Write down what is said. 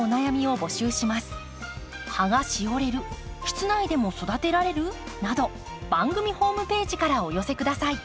ここでお知らせです。など番組ホームページからお寄せ下さい。